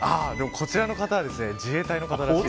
こちらの方は自衛隊の方なんです。